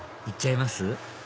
行っちゃいます？